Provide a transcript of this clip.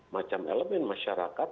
macam elemen masyarakat